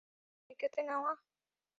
তোমাকে সৈকতে নেওয়া?